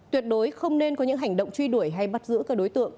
tuyệt đối không nên có những hành động truy đuổi hay bắt giữ các đối tượng